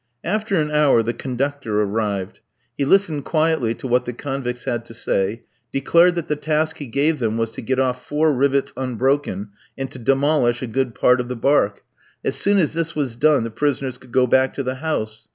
After an hour the "conductor" arrived. He listened quietly to what the convicts had to say, declared that the task he gave them was to get off four rivets unbroken, and to demolish a good part of the barque. As soon as this was done the prisoners could go back to the house.